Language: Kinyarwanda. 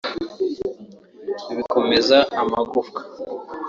bikomeza amagufwa